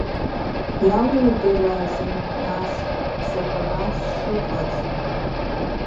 Иалудыраазеи нас, сара ара сшыҟаз?